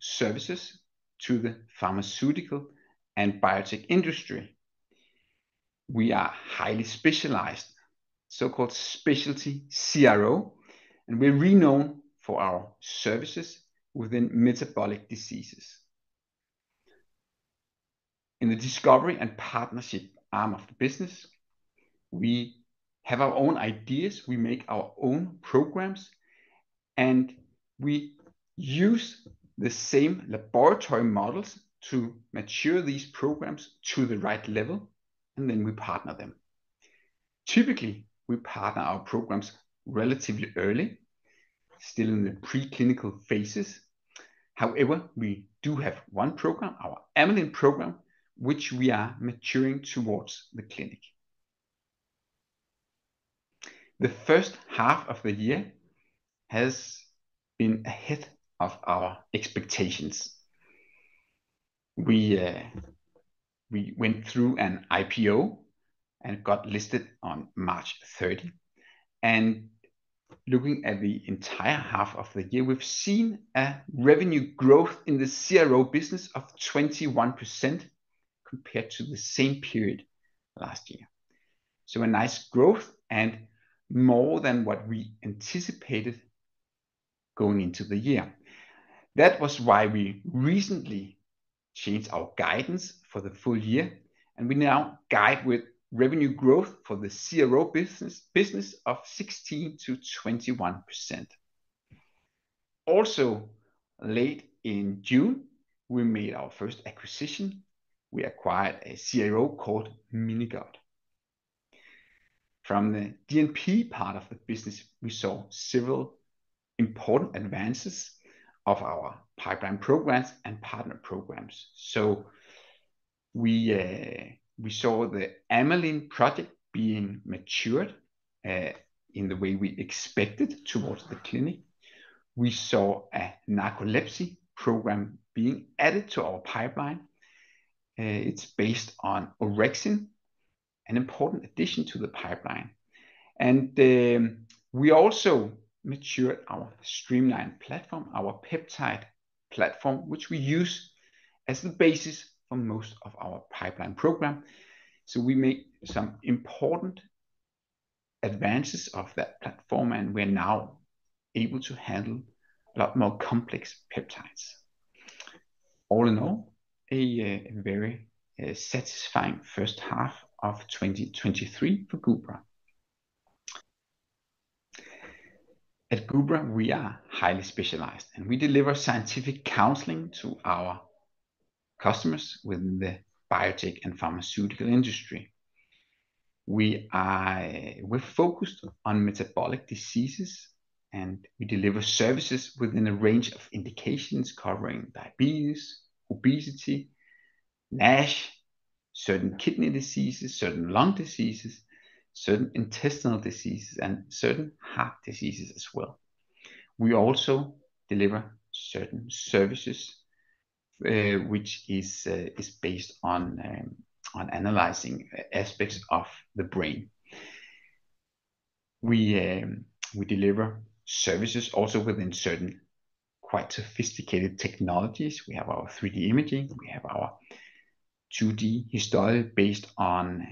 services to the pharmaceutical and biotech industry. We are highly specialized, so-called specialty CRO, and we're renowned for our services within metabolic diseases. In the discovery and partnership arm of the business, we have our own ideas, we make our own programs, and we use the same laboratory models to mature these programs to the right level, and then we partner them. Typically, we partner our programs relatively early, still in the preclinical phases. However, we do have one program, our amylin program, which we are maturing towards the clinic. The first half of the year has been ahead of our expectations. We went through an IPO and got listed on March 30. And looking at the entire half of the year, we've seen a revenue growth in the CRO business of 21%, compared to the same period last year. So a nice growth and more than what we anticipated going into the year. That was why we recently changed our guidance for the full year, and we now guide with revenue growth for the CRO business, business of 16%-21%. Also, late in June, we made our first acquisition. We acquired a CRO called MiniGut. From the D&P part of the business, we saw several important advances of our pipeline programs and partner programs. So we, we saw the amylin project being matured, in the way we expected towards the clinic. We saw a narcolepsy program being added to our pipeline. It's based on orexin, an important addition to the pipeline. And, we also matured our streaMLine platform, our peptide platform, which we use as the basis for most of our pipeline program. So we made some important advances of that platform, and we're now able to handle a lot more complex peptides. All in all, a very satisfying first half of 2023 for Gubra. At Gubra, we are highly specialized, and we deliver scientific counseling to our customers within the biotech and pharmaceutical industry. We're focused on metabolic diseases, and we deliver services within a range of indications covering diabetes, obesity, NASH, certain kidney diseases, certain lung diseases, certain intestinal diseases, and certain heart diseases as well. We also deliver certain services which is based on analyzing aspects of the brain. We deliver services also within certain quite sophisticated technologies. We have our 3D imaging, we have our 2D histology based on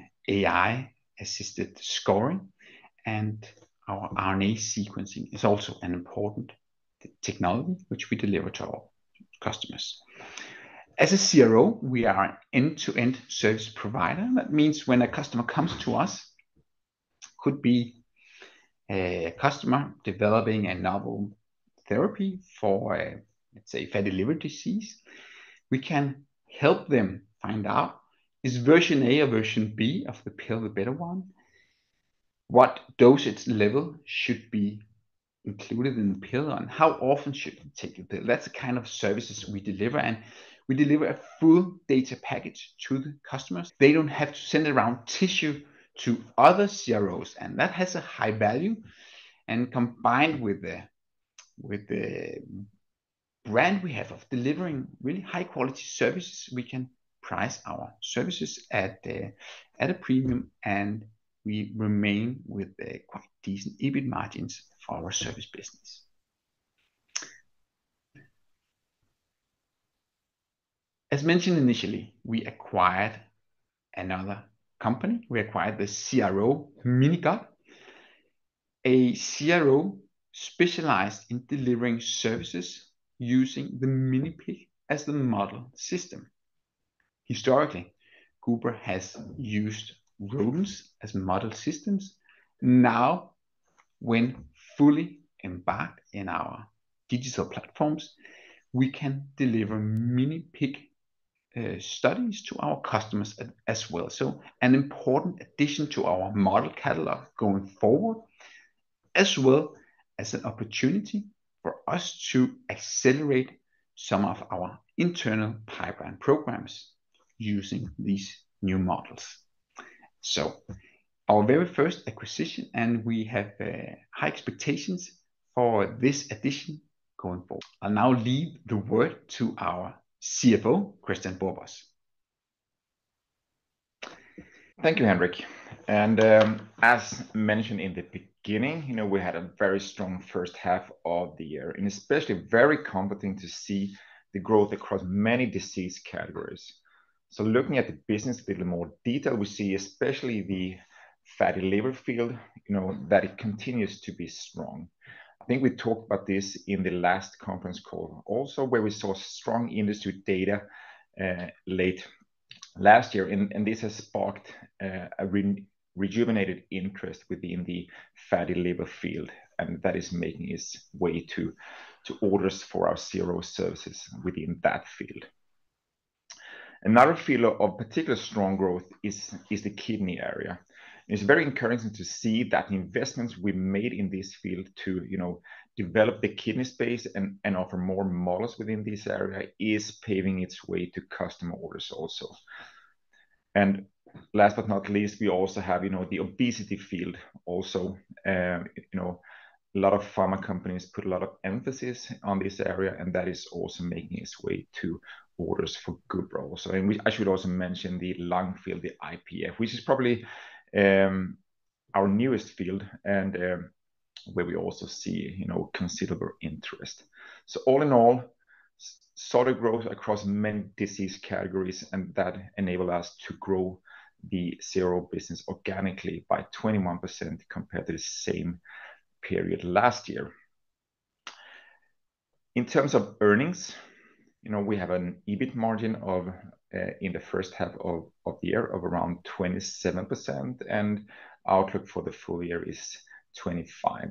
AI-assisted scoring, and our RNA sequencing is also an important technology which we deliver to our customers. As a CRO, we are an end-to-end service provider. That means when a customer comes to us, could be a customer developing a novel therapy for, let's say, fatty liver disease, we can help them find out, is version A or version B of the pill the better one? What dosage level should be included in the pill, and how often should you take the pill? That's the kind of services we deliver, and we deliver a full data package to the customers. They don't have to send around tissue to other CROs, and that has a high value. Combined with the brand we have of delivering really high-quality services, we can price our services at a premium, and we remain with quite decent EBIT margins for our service business. As mentioned initially, we acquired another company. We acquired the CRO, MiniGut, a CRO specialized in delivering services using the minipig as the model system. Historically, Gubra has used rodents as model systems. Now, when fully embarked in our digital platforms, we can deliver minipig studies to our customers as well. So an important addition to our model catalog going forward, as well as an opportunity for us to accelerate some of our internal pipeline programs using these new models. So our very first acquisition, and we have high expectations for this addition going forward. I'll now leave the word to our CFO, Kristian Borbos.... Thank you, Henrik. And, as mentioned in the beginning, you know, we had a very strong first half of the year, and especially very comforting to see the growth across many disease categories. So looking at the business a bit in more detail, we see especially the fatty liver field, you know, that it continues to be strong. I think we talked about this in the last conference call also, where we saw strong industry data, late last year, and this has sparked a rejuvenated interest within the fatty liver field, and that is making its way to orders for our CRO services within that field. Another field of particular strong growth is the kidney area. It's very encouraging to see that the investments we made in this field to, you know, develop the kidney space and offer more models within this area is paving its way to customer orders also. Last but not least, we also have, you know, the obesity field also. You know, a lot of pharma companies put a lot of emphasis on this area, and that is also making its way to orders for Gubra. I should also mention the lung field, the IPF, which is probably our newest field, and where we also see, you know, considerable interest. So all in all, solid growth across many disease categories, and that enabled us to grow the CRO business organically by 21% compared to the same period last year. In terms of earnings, you know, we have an EBIT margin of in the first half of the year of around 27%, and outlook for the full year is 25%,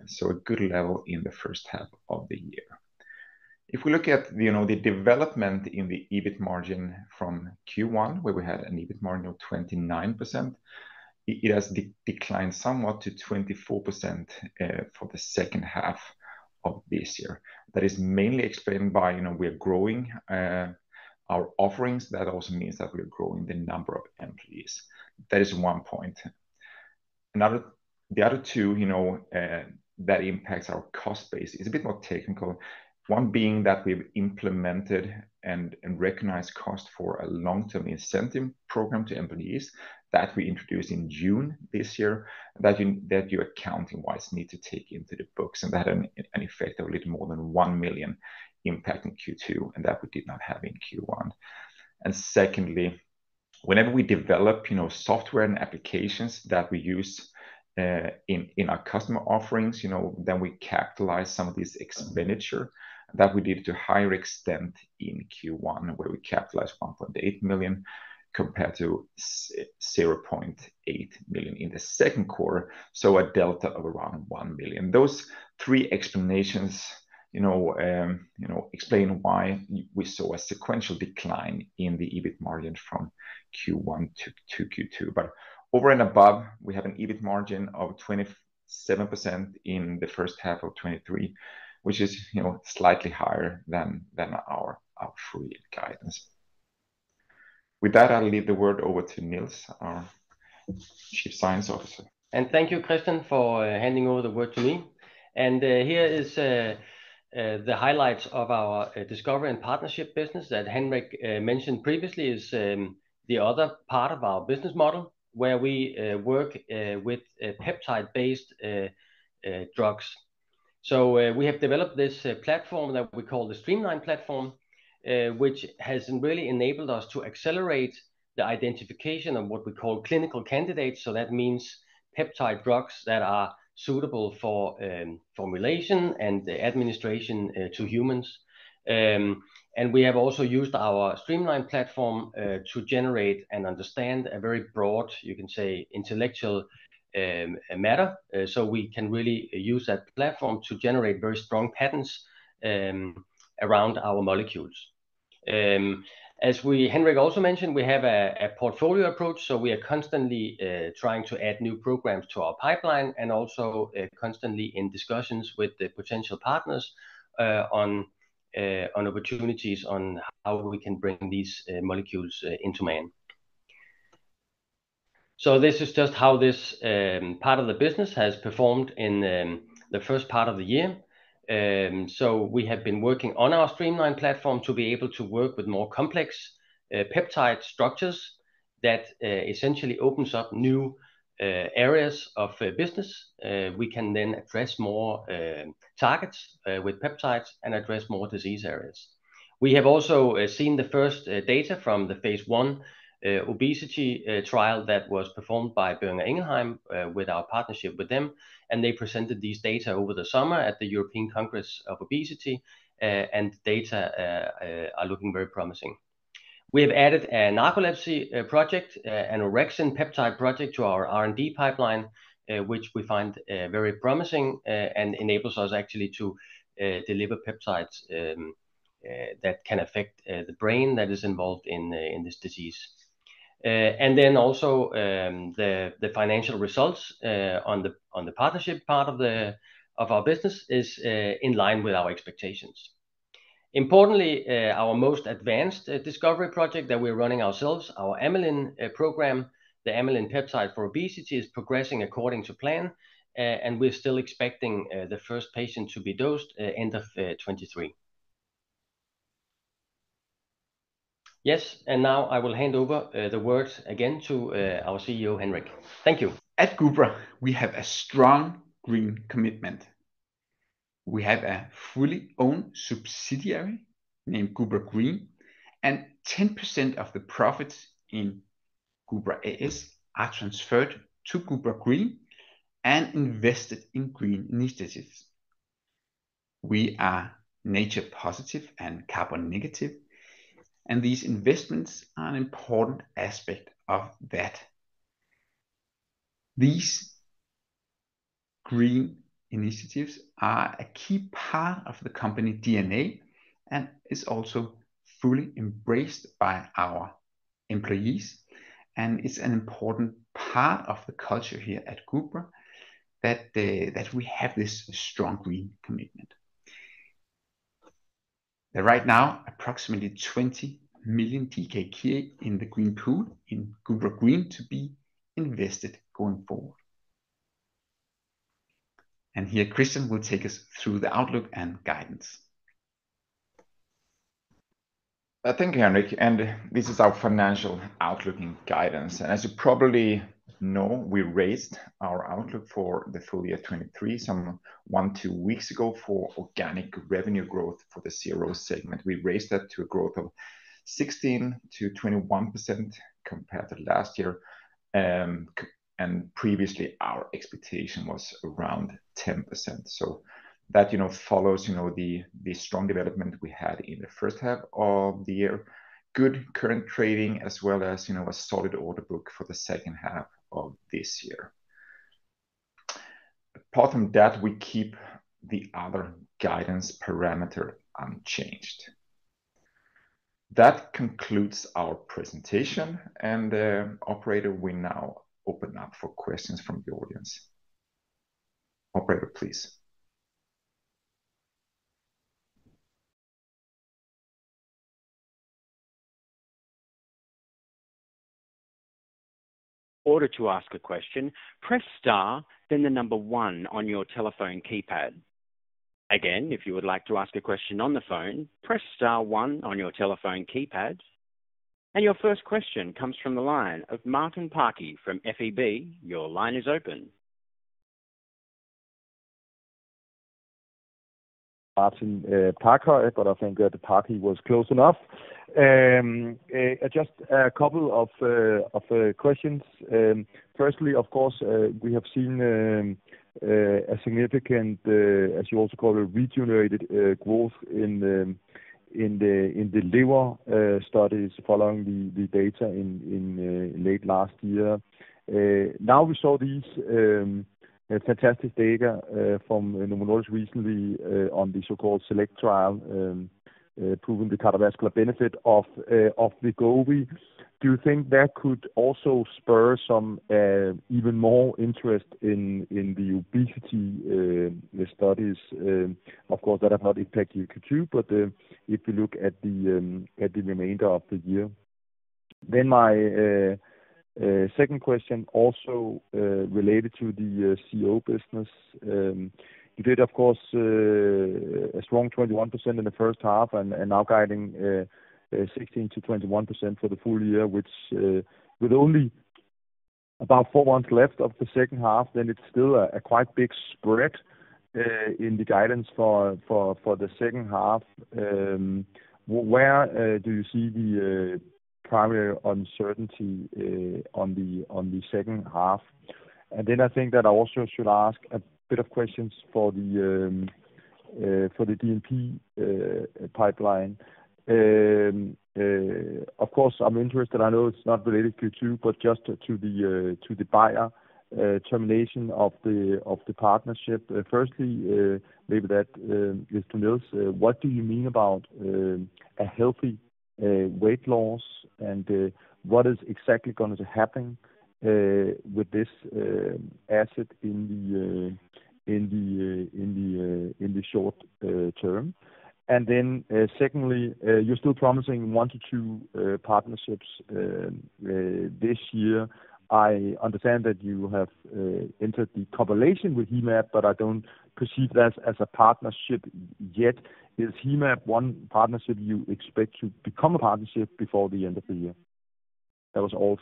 so a good level in the first half of the year. If we look at, you know, the development in the EBIT margin from Q1, where we had an EBIT margin of 29%, it has declined somewhat to 24%, for the second half of this year. That is mainly explained by, you know, we are growing our offerings. That also means that we are growing the number of employees. That is one point. Another... The other two, you know, that impacts our cost base is a bit more technical. One being that we've implemented and recognized cost for a long-term incentive program to employees that we introduced in June this year, that you accounting-wise need to take into the books, and that had an effect of a little more than 1 million impact in Q2, and that we did not have in Q1. And secondly, whenever we develop, you know, software and applications that we use in our customer offerings, you know, then we capitalize some of this expenditure that we did to a higher extent in Q1, where we capitalized 1.8 million, compared to zero point eight million in the second quarter, so a delta of around 1 million. Those three explanations, you know, explain why we saw a sequential decline in the EBIT margin from Q1 to Q2. But over and above, we have an EBIT margin of 27% in the first half of 2023, which is, you know, slightly higher than, than our, our full year guidance. With that, I'll leave the word over to Niels, our Chief Science Officer. Thank you, Kristian, for handing over the word to me. Here is the highlights of our discovery and partnership business that Henrik mentioned previously is the other part of our business model, where we work with peptide-based drugs. So, we have developed this platform that we call the streaMLine platform, which has really enabled us to accelerate the identification of what we call clinical candidates, so that means peptide drugs that are suitable for formulation and administration to humans. And we have also used our streaMLine platform to generate and understand a very broad, you can say, intellectual matter. So we can really use that platform to generate very strong patents around our molecules. As we, Henrik also mentioned, we have a portfolio approach, so we are constantly trying to add new programs to our pipeline and also constantly in discussions with the potential partners on opportunities on how we can bring these molecules into man. So this is just how this part of the business has performed in the first part of the year. So we have been working on our streaMLine platform to be able to work with more complex peptide structures that essentially opens up new areas of business. We can then address more targets with peptides and address more disease areas. We have also seen the first data from the Phase 1 obesity trial that was performed by Boehringer Ingelheim with our partnership with them, and they presented these data over the summer at the European Congress on Obesity, and the data are looking very promising. We have added a narcolepsy project, an orexin peptide project to our R&D pipeline, which we find very promising, and enables us actually to deliver peptides that can affect the brain that is involved in this disease. Then also, the financial results on the partnership part of our business is in line with our expectations. Importantly, our most advanced discovery project that we're running ourselves, our amylin program, the amylin peptide for obesity, is progressing according to plan, and we're still expecting the first patient to be dosed end of 2023.... Yes, and now I will hand over the words again to our CEO, Henrik. Thank you. At Gubra, we have a strong green commitment. We have a fully owned subsidiary named Gubra Green, and 10% of the profits in Gubra A/S are transferred to Gubra Green and invested in green initiatives. We are nature positive and carbon negative, and these investments are an important aspect of that. These green initiatives are a key part of the company DNA, and it's also fully embraced by our employees, and it's an important part of the culture here at Gubra that, that we have this strong green commitment. There right now, approximately 20 million DKK in the green pool in Gubra Green to be invested going forward. And here, Kristian will take us through the outlook and guidance. Thank you, Henrik, and this is our financial outlook and guidance. As you probably know, we raised our outlook for the full year 2023, some 1-2 weeks ago, for organic revenue growth for the CRO segment. We raised that to a growth of 16%-21% compared to last year. And previously, our expectation was around 10%. So that, you know, follows, you know, the, the strong development we had in the first half of the year, good current trading, as well as, you know, a solid order book for the second half of this year. Apart from that, we keep the other guidance parameter unchanged. That concludes our presentation, and, operator, we now open up for questions from the audience. Operator, please. In order to ask a question, press star, then the number 1 on your telephone keypad. Again, if you would like to ask a question on the phone, press star 1 on your telephone keypad. Your first question comes from the line of Martin Parkhøi from SEB. Your line is open. Martin, Parker, but I think that the Parker was close enough. Just a couple of questions. Firstly, of course, we have seen a significant, as you also call it, regenerated growth in the liver studies following the data in late last year. Now, we saw these fantastic data from Novo Nordisk recently on the so-called SELECT trial proving the cardiovascular benefit of Wegovy. Do you think that could also spur some even more interest in the obesity studies? Of course, that are not impact Q2, but if you look at the remainder of the year. Then my second question also related to the CRO business. You did, of course, a strong 21% in the first half and now guiding 16%-21% for the full year, which with only about four months left of the second half, then it's still a quite big spread in the guidance for the second half. Where do you see the primary uncertainty on the second half? And then I think that I also should ask a bit of questions for the D&P pipeline. Of course, I'm interested, I know it's not related to Q2, but just to the Bayer termination of the partnership. Firstly, maybe that is to Niels, what do you mean about a healthy weight loss? What is exactly going to happen with this asset in the short term? And then, secondly, you're still promising 1-2 partnerships this year. I understand that you have entered the cooperation with Hemab, but I don't perceive that as a partnership yet. Is Hemab one partnership you expect to become a partnership before the end of the year? That was all.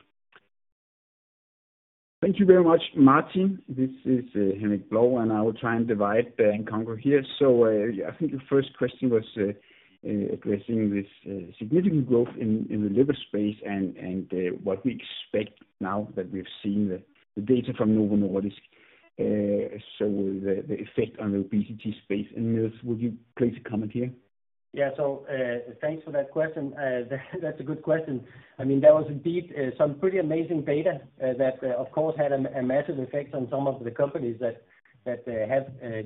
Thank you very much, Martin. This is, Henrik Blou, and I will try and divide and conquer here. So, I think the first question was, addressing this, significant growth in the liver space and, what we expect now that we've seen the data from Novo Nordisk. So the effect on the obesity space, and Niels, would you please comment here? Yeah. So, thanks for that question. That's a good question. I mean, that was indeed some pretty amazing data that of course had a massive effect on some of the companies that have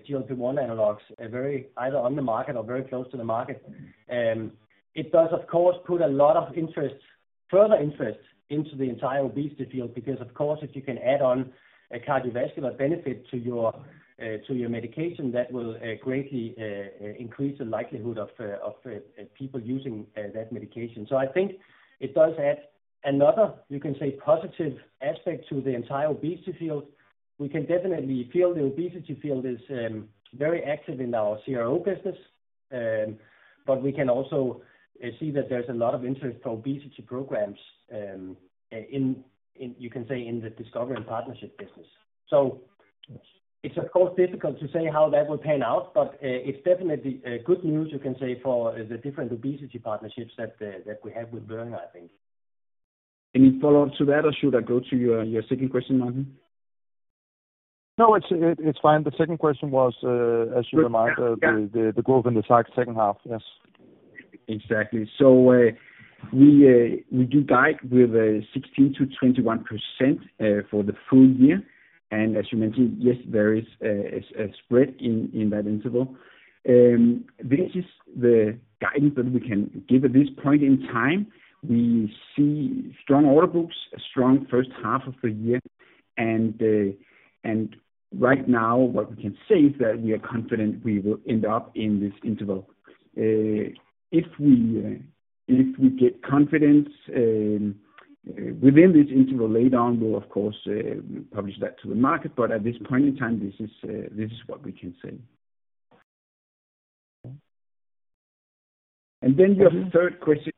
GLP-1 analogues very either on the market or very close to the market. It does, of course, put a lot of interest, further interest into the entire obesity field, because, of course, if you can add on a cardiovascular benefit to your, to your medication, that will greatly increase the likelihood of people using that medication. So I think it does add another, you can say, positive aspect to the entire obesity field. We can definitely feel the obesity field is very active in our CRO business. But we can also see that there's a lot of interest for obesity programs in, in you can say, in the discovery and partnership business. So it's of course difficult to say how that will pan out, but it's definitely good news, you can say for the different obesity partnerships that we have with Boehringer, I think. Any follow-up to that, or should I go to your second question, Martin? No, it's fine. The second question was, as you remind, the growth in the second half. Yes. Exactly. So, we do guide with a 16%-21% for the full year, and as you mentioned, yes, there is a spread in that interval. This is the guidance that we can give at this point in time. We see strong order books, a strong first half of the year, and right now, what we can say is that we are confident we will end up in this interval. If we get confidence within this interval later on, we'll of course publish that to the market, but at this point in time, this is what we can say. And then your third question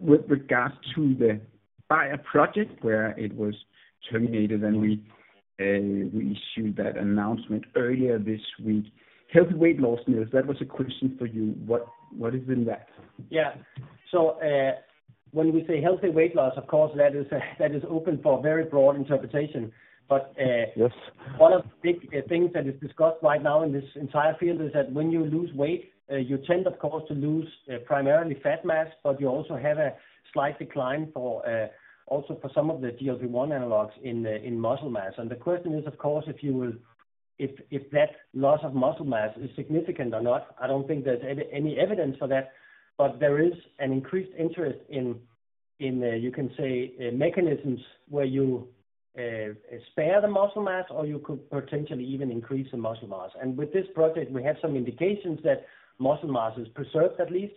with regards to the Bayer project, where it was terminated, and we issued that announcement earlier this week. Healthy weight loss Niels, that was a question for you. What, what is in that? Yeah. So, when we say healthy weight loss, of course, that is, that is open for very broad interpretation. But, Yes. One of the big things that is discussed right now in this entire field is that when you lose weight, you tend, of course, to lose, primarily fat mass, but you also have a slight decline for, also for some of the GLP-1 analogues in muscle mass. And the question is, of course, if that loss of muscle mass is significant or not. I don't think there's any evidence for that, but there is an increased interest in, you can say, mechanisms where you spare the muscle mass, or you could potentially even increase the muscle mass. And with this project, we have some indications that muscle mass is preserved at least.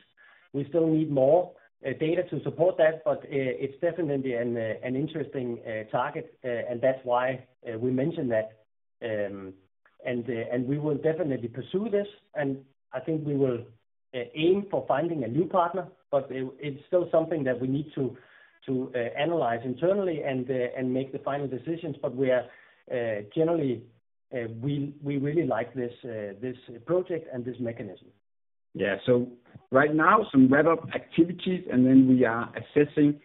We still need more data to support that, but it's definitely an interesting target, and that's why we mentioned that. We will definitely pursue this, and I think we will aim for finding a new partner, but it's still something that we need to analyze internally and make the final decisions. But we are generally, we really like this project and this mechanism. Yeah. So right now, some web activities, and then we are assessing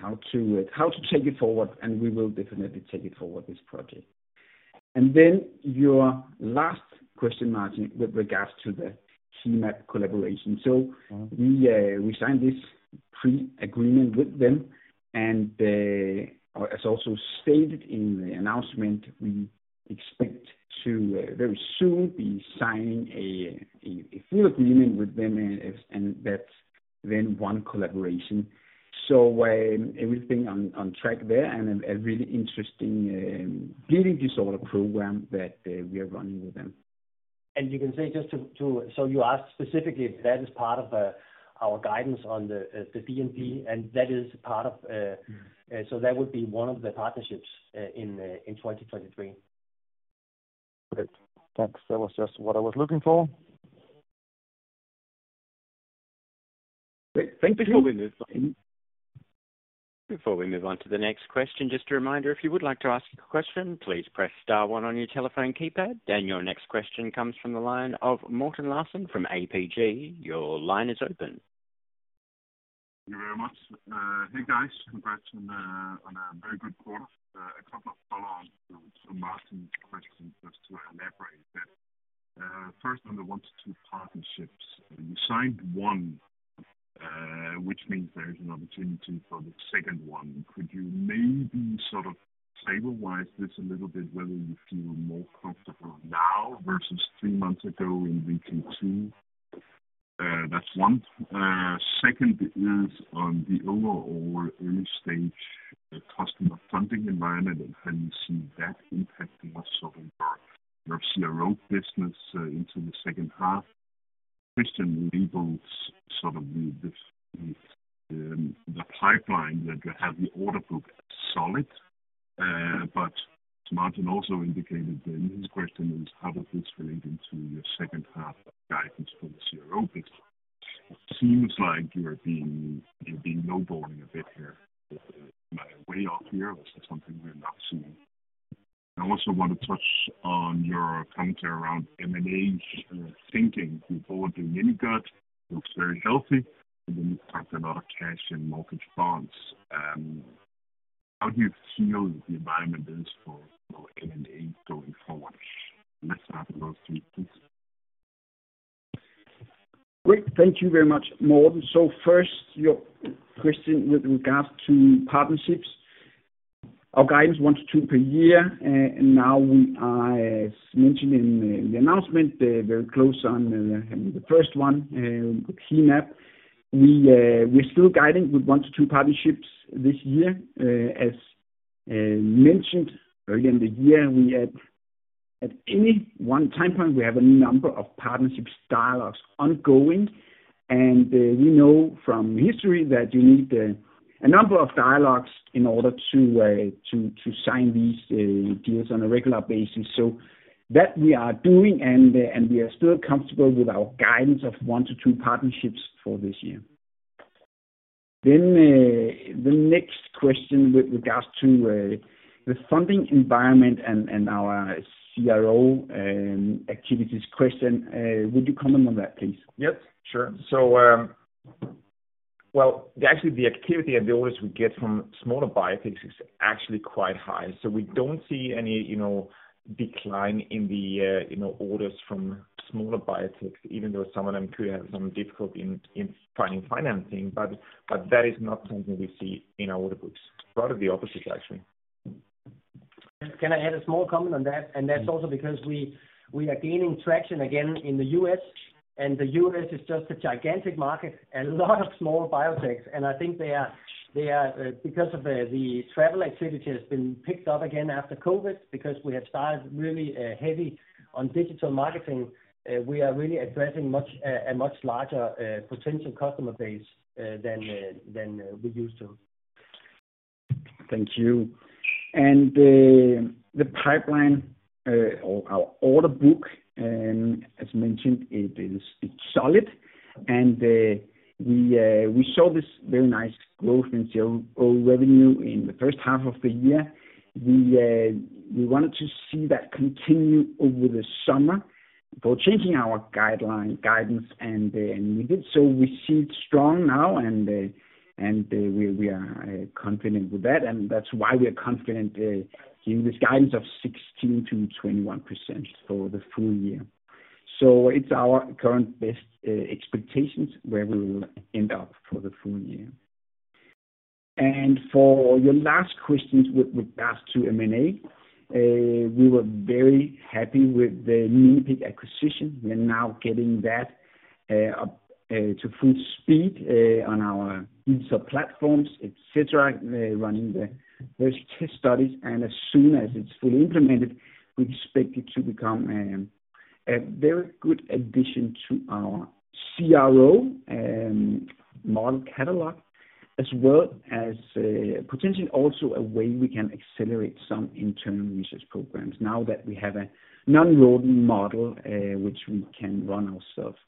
how to take it forward, and we will definitely take it forward, this project. And then your last question, Martin, with regards to the Hemab collaboration. So we signed this pre-agreement with them, and, as also stated in the announcement, we expect to very soon be signing a full agreement with them, and that's then one collaboration. So everything on track there and a really interesting bleeding disorder program that we are running with them. So you asked specifically if that is part of our guidance on the D&P, and that is part of. Mm-hmm. So that would be one of the partnerships in 2023. Great! Thanks. That was just what I was looking for. Great. Thank you. Before we move on, before we move on to the next question, just a reminder, if you would like to ask a question, please press star one on your telephone keypad. Then your next question comes from the line of Morten Larsen from ABG. Your line is open. Thank you very much. Hey, guys, congrats on a very good quarter. A couple of follow-on to Martin's questions just to elaborate a bit. First, on the 1-2 partnerships, you signed one, which means there is an opportunity for the second one. Could you maybe sort of stabilize this a little bit, whether you feel more comfortable now versus three months ago in Q2? That's one. Second is on the overall early-stage customer funding environment, and how do you see that impacting us sort of our CRO business into the second half? Kristian elaborates sort of the pipeline that you have, the order book solid, but Martin also indicated in his question is: How does this fit into your second half guidance for the CRO business? It seems like you are being, you're being lowballing a bit here. Am I way off here, or is this something we're not seeing? I also want to touch on your commentary around M&A thinking. You bought the MiniGut, looks very healthy, and then you've talked about cash and mortgage bonds. How do you feel the environment is for M&A going forward? Let's have those three, please. Great. Thank you very much, Morten. So first, your question with regards to partnerships. Our guidance, 1-2 per year, and now we are, as mentioned in the announcement, very close on having the first one with Hemab. We, we're still guiding with 1-2 partnerships this year. As mentioned earlier in the year, we had—at any one time point, we have a number of partnerships dialogues ongoing, and we know from history that you need a number of dialogues in order to sign these deals on a regular basis. So that we are doing, and we are still comfortable with our guidance of 1-2 partnerships for this year. The next question with regards to the funding environment and, and our CRO and activities question, would you comment on that, please? Yes, sure. So, well, actually, the activity and the orders we get from smaller biotechs is actually quite high. So we don't see any, you know, decline in the, you know, orders from smaller biotechs, even though some of them could have some difficulty in finding financing. But that is not something we see in our order books. Rather, the opposite actually. Can I add a small comment on that? And that's also because we are gaining traction again in the U.S., and the U.S. is just a gigantic market and a lot of small biotechs. And I think they are because of the travel activity has been picked up again after COVID, because we have started really heavy on digital marketing, we are really addressing a much larger potential customer base than we used to. Thank you. And the pipeline or our order book, as mentioned, it is solid and we saw this very nice growth in CRO revenue in the first half of the year. We wanted to see that continue over the summer for changing our guideline guidance, and we did. So we see it strong now and we are confident with that, and that's why we are confident giving this guidance of 16%-21% for the full year. So it's our current best expectations where we will end up for the full year. And for your last questions with regards to M&A, we were very happy with the minipig acquisition. We are now getting that up to full speed on our use of platforms, et cetera. They're running the test studies, and as soon as it's fully implemented, we expect it to become a very good addition to our CRO and model catalog, as well as potentially also a way we can accelerate some internal research programs now that we have a non-rodent model which we can run ourselves.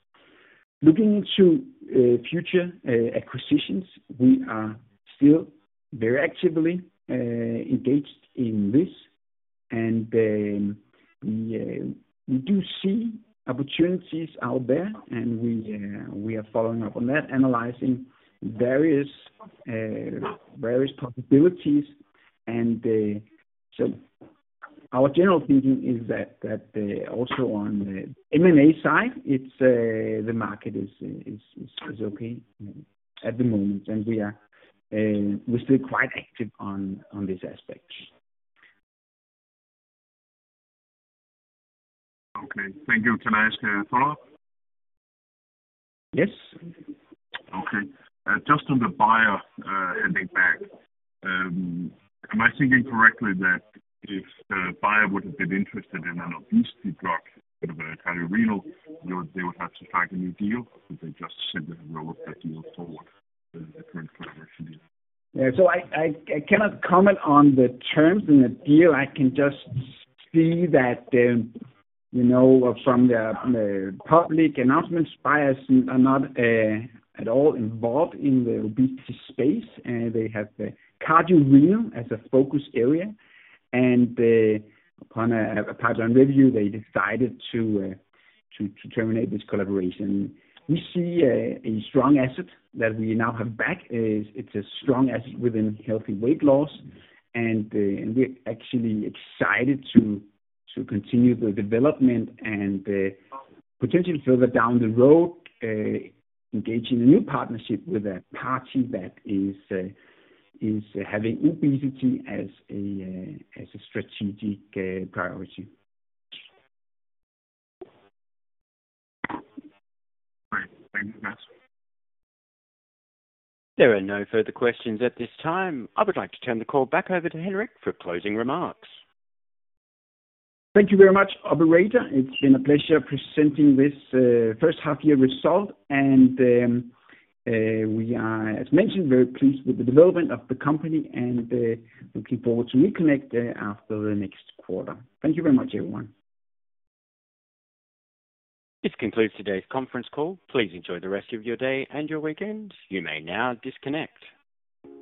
Looking into future acquisitions, we are still very actively engaged in this. We do see opportunities out there, and we are following up on that, analyzing various possibilities. So our general thinking is that also on the M&A side, it's the market is okay at the moment and we are still quite active on this aspect. Okay. Thank you. Can I ask a follow-up? Yes. Okay. Just on the Bayer, heading back, am I thinking correctly that if Bayer would have been interested in an obesity drug, kind of a cardiorenal, you know, they would have to sign a new deal, or they just simply roll the deal forward, the, the current collaboration deal? Yeah. So I cannot comment on the terms in the deal. I can just see that, you know, from the public announcements, Bayer is not at all involved in the obesity space. They have the cardiorenal as a focus area. And upon a pipeline review, they decided to terminate this collaboration. We see a strong asset that we now have back. It's a strong asset within healthy weight loss, and we're actually excited to continue the development and potentially further down the road, engage in new partnership with a party that is having obesity as a strategic priority. Right. Thank you very much. There are no further questions at this time. I would like to turn the call back over to Henrik for closing remarks. Thank you very much, operator. It's been a pleasure presenting this first half year result. We are, as mentioned, very pleased with the development of the company and looking forward to reconnect after the next quarter. Thank you very much, everyone. This concludes today's conference call. Please enjoy the rest of your day and your weekend. You may now disconnect.